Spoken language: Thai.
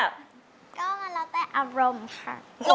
ก็มันแล้วแต่อารมณ์ค่ะ